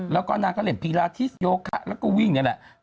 แล้วก็นางก็เล่นพีลาทิสโยคะแล้วก็วิ่งนี่แหละ